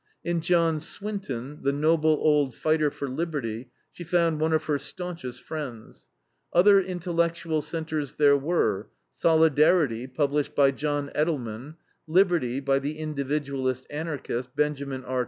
In John Swinton, the noble old fighter for liberty, she found one of her staunchest friends. Other intellectual centers there were: SOLIDARITY, published by John Edelman; LIBERTY, by the Individualist Anarchist, Benjamin R.